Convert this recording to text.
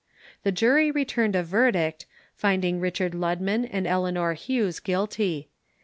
The jury returned a verdict, finding Richard Ludman and Eleanor Hughes guilty.